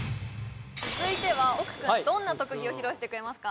続いては奥君どんな特技を披露してくれますか？